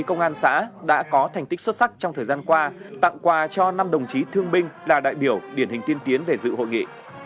công an xã đã có thành tích xuất sắc trong thời gian qua tặng quà cho năm đồng chí thương binh là đại biểu điển hình tiên tiến về dự hội nghị